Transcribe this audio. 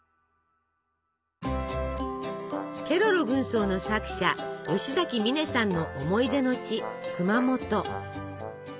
ケロロ軍曹の作者吉崎観音さんの思い出の地熊本。